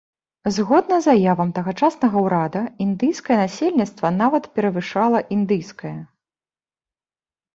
Згодна заявам тагачаснага ўрада, індыйскае насельніцтва нават перавышала індыйскае.